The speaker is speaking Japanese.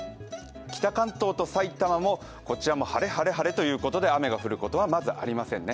北関東と埼玉も晴れ、晴れ、晴れということで雨が降ることはまずありませんね。